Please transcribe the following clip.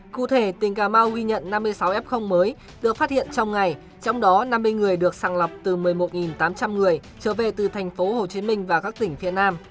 cụ thể tỉnh cà mau ghi nhận năm mươi sáu f mới được phát hiện trong ngày trong đó năm mươi người được sàng lọc từ một mươi một tám trăm linh người trở về từ tp hcm và các tỉnh phía nam